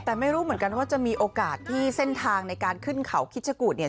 แต่ไม่รู้เหมือนกันว่าจะมีโอกาสที่เส้นทางในการขึ้นเขาคิดชะกูดเนี่ย